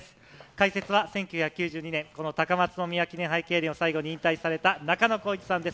解説は１９９２年、高松宮記念杯競輪を最後に引退された中野浩一さんです。